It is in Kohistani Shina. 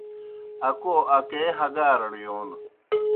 اکو اکے ہگارڑ یون